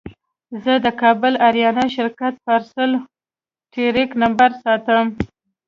زه د کابل اریانا شرکت پارسل ټرېک نمبر ساتم.